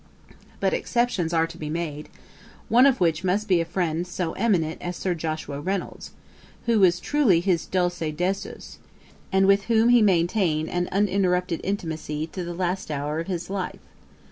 But exceptions are to be made; one of which must be a friend so eminent as Sir Joshua Reynolds, who was truly his dulce decus, and with whom he maintained an uninterrupted intimacy to the last hour of his life.